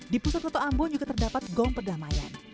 di pusat kota ambon juga terdapat gong perdamaian